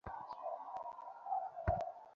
আশেপাশে কাউকে দেখলামনা, আর একটা সিগারেট ধরালাম।